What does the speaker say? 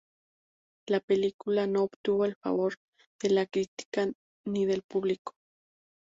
La película no obtuvo el favor de la crítica ni del público.